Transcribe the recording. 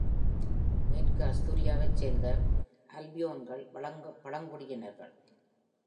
மேற்கு அஸ்தூரியாவைச் சேர்ந்த அல்பியோன்கள் பழங்குடியினர்கள்.